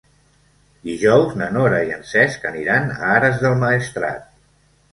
Dijous na Nora i en Cesc aniran a Ares del Maestrat.